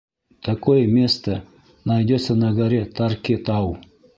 Такое место найдется на горе Тарки-тау.